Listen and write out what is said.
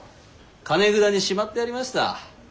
金蔵にしまってありました。